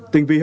tình vì hợp